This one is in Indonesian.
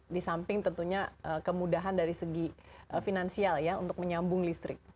di samping tentunya kemudahan dari segi finansial ya untuk menyambung listrik